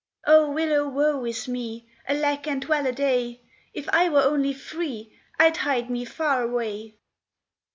"Oh, willow, woe is me! Alack and well a day! If I were only free I'd hie me far away!"